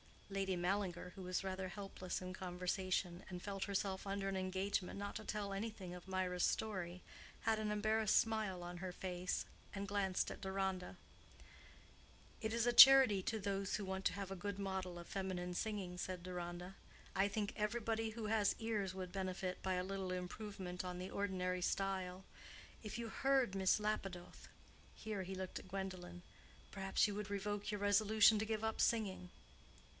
Lady Mallinger, who was rather helpless in conversation, and felt herself under an engagement not to tell anything of Mirah's story, had an embarrassed smile on her face, and glanced at Deronda. "It is a charity to those who want to have a good model of feminine singing," said Deronda. "I think everybody who has ears would benefit by a little improvement on the ordinary style. If you heard Miss Lapidoth"—here he looked at Gwendolen—"perhaps you would revoke your resolution to give up singing."